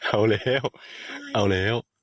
เอาแล้ว